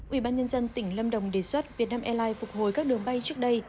ủy ban nhân dân tỉnh lâm đồng đề xuất vietnam airlines phục hồi các đường bay trước đây